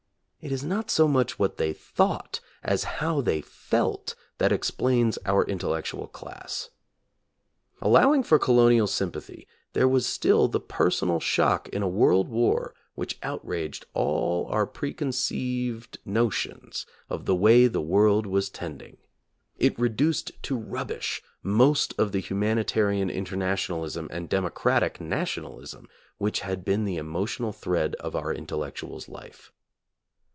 It is not so much what they thought as how they felt that explains our intellectual class. Allowing for colonial sympathy, there was still the personal shock in a world war which outraged all our pre conceived notions of the way the world was tend ing. It reduced to rubbish most of the humani tarian internationalism and democratic national ism which had been the emotional thread of our intellectuals' life.